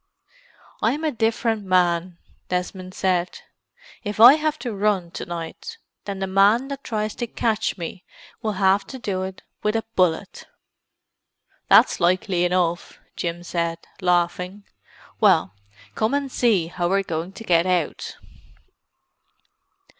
"I'm a different man," Desmond said. "If I have to run to night, then the man that tries to catch me will have to do it with a bullet!" "That's likely enough," Jim said, laughing. "Well, come and see how we're going to get out."